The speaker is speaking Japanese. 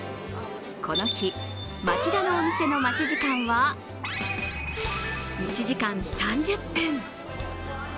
この日、町田のお店の待ち時間は１時間３０分。